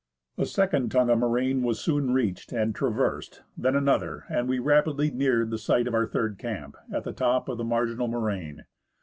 A second tongue of moraine was soon reached and traversed, then another, and we rapidly neared the site of our third camp, at the top of the marginal moraine.